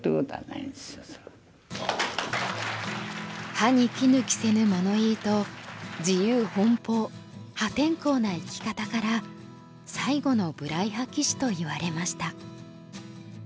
歯に衣着せぬ物言いと自由奔放破天荒な生き方から最後の無頼派棋士といわれました。